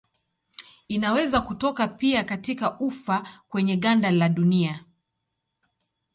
Inaweza kutoka pia katika ufa kwenye ganda la dunia.